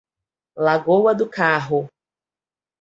Lagoa do Carro